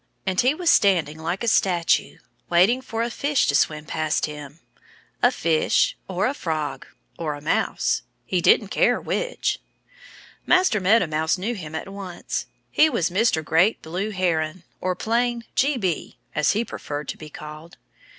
And he was standing like a statue, waiting for a fish to swim past him. A fish, or a frog, or a mouse! He didn't care which. Master Meadow Mouse knew him at once. He was Mr. Great Blue Heron or plain "G. B." as he preferred to be called.